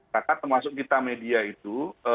terutama kita media itu